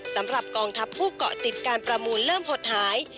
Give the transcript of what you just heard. สำหรับกองทัพผู้เกาะติดการประมูลเริ่มหดหาย